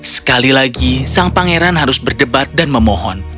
sekali lagi sang pangeran harus berdebat dan memohon